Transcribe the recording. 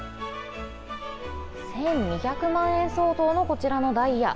１２００万円相当のこちらのダイヤ。